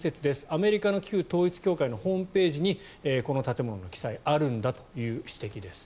アメリカの旧統一教会のホームページにこの建物の記載があるんだという指摘です。